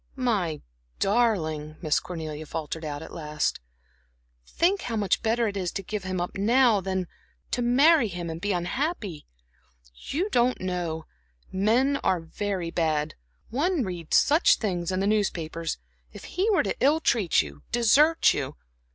"My darling," Miss Cornelia faltered at last, "think how much better it is to give him up now than to to marry him and be unhappy. You don't know men are very bad; one reads such things in the newspapers. If he were to ill treat you, desert you."